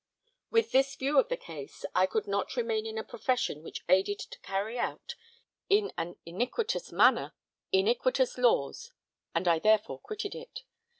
With this view of the case, I could not remain in a profession which aided to carry out, in an iniquitous manner, iniquitous laws, and I therefore quitted it.